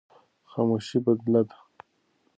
خاموشي بدله ده.